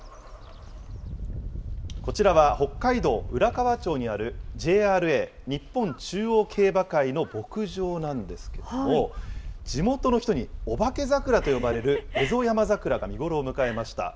こちらは北海道浦河町にある、ＪＲＡ・日本中央競馬会の牧場なんですけども、地元の人にオバケ桜と呼ばれるエゾヤマザクラが見頃を迎えました。